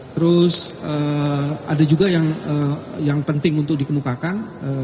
terus ada juga yang penting untuk dikemukakan